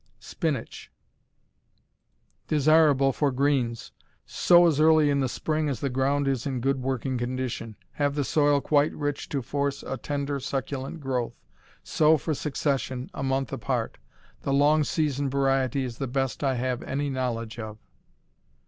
Spinach Desirable for "greens." Sow as early in the spring as the ground is in good working condition. Have the soil quite rich to force a tender, succulent growth. Sow for succession, a month apart. The Long Season variety is the best I have any knowledge of.